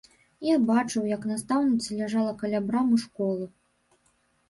Я бачыў, як настаўніца ляжала каля брамы школы.